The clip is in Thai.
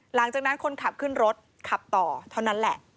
หลังจากนั้นคนขับขึ้นรถขับต่อเท่านั้นแหละ